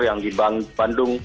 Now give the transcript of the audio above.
yang di bandung